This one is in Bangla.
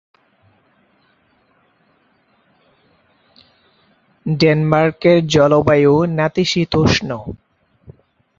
ডেনমার্কের জলবায়ু নাতিশীতোষ্ণ।